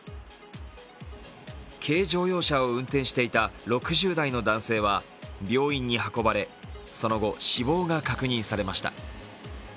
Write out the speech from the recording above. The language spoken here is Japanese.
軽乗用車を運転していた６０代の男性は、病院に運ばれ、その後、死亡が確認されました。